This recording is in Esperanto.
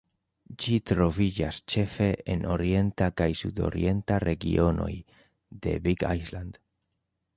Ĝi troviĝas ĉefe en orienta kaj sudorienta regionoj de Big Island.